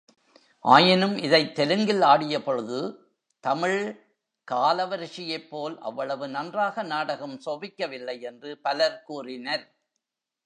ஆயினும் இதைத் தெலுங்கில் ஆடியபொழுது தமிழ் காலவ ரிஷியைப்போல் அவ்வளவு நன்றாக நாடகம் சோபிக்கவில்லை என்று பலர் கூறினர்.